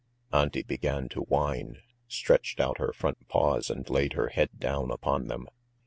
Auntie began to whine, stretched out her front paws and laid her head down upon them.